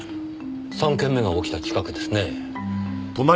３件目が起きた近くですね。